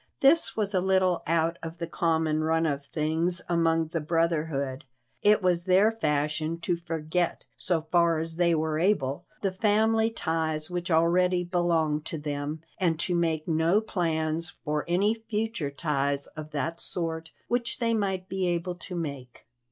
This was a little out of the common run of things among the brotherhood; it was their fashion to forget, so far as they were able, the family ties which already belonged to them, and to make no plans for any future ties of that sort which they might be able to make.